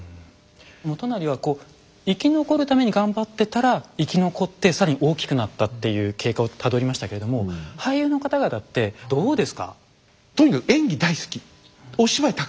元就は生き残るために頑張ってたら生き残って更に大きくなったっていう経過をたどりましたけれども俳優の方々ってどうですか？